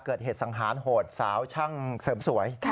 เกิดเหตุสังหารโหดสาวช่างเสริมสวย